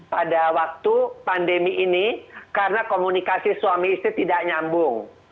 pada waktu pandemi ini karena komunikasi suami istri tidak nyambung